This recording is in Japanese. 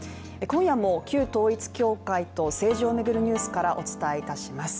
今夜も旧統一教会と政治を巡るニュースからお伝えいたします